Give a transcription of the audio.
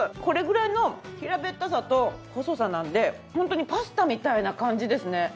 これぐらいの平べったさと細さなので本当にパスタみたいな感じですね。